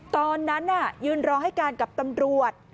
ตอนนั้นยืนรอให้การกับตำรวจ